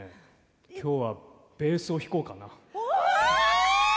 今日はベースを弾こうかな。